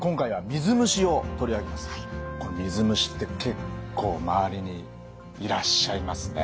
水虫って結構周りにいらっしゃいますね。